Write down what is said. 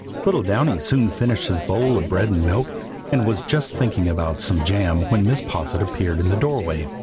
Little Downy soon finished his bowl of bread and milk, and was just thinking about some jam when Mrs. Posset appeared in the doorway.